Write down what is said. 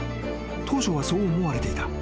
［当初はそう思われていた。